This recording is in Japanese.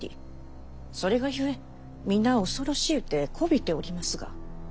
それがゆえ皆恐ろしうて媚びておりますが。